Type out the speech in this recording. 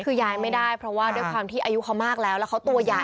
คือย้ายไม่ได้เพราะว่าด้วยความที่อายุเขามากแล้วแล้วเขาตัวใหญ่